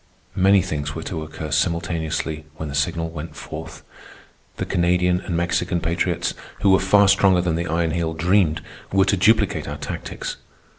Many things were to occur simultaneously when the signal went forth. The Canadian and Mexican patriots, who were far stronger than the Iron Heel dreamed, were to duplicate our tactics.